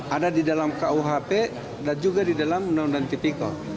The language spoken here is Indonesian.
ada di dalam kuhp dan juga di dalam undang undang tipikor